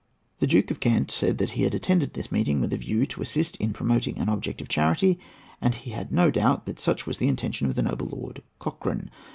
The Duke of Kent said that he had attended this meeting with a view to assist in promoting an object of charity, and he had no doubt that such was the intention of the noble lord (Cochrane).